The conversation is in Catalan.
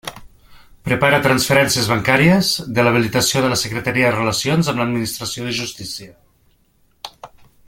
Prepara transferències bancàries de l'habilitació de la Secretaria de Relacions amb l'Administració de Justícia.